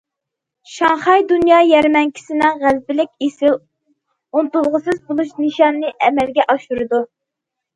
شاڭخەي دۇنيا يەرمەنكىسىنىڭ‹‹ غەلىبىلىك، ئېسىل، ئۇنتۇلغۇسىز›› بولۇش نىشانىنى ئەمەلگە ئاشۇرىدۇ.